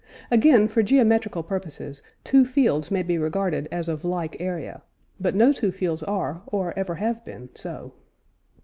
Again, for geometrical purposes two fields may be regarded as of like area; but no two fields are, or ever have been, so.